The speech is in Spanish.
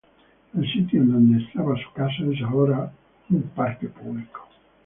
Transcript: El sitio en donde estaba su casa, es ahora un parque público.